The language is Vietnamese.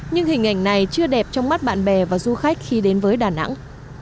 nhưng hình ảnh này chưa đẹp trong mắt bạn bè và du khách khi đến với đà nẵng